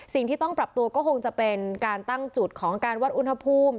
สิ่งที่ต้องปรับตัวก็คงจะเป็นการตั้งจุดของการวัดอุณหภูมิ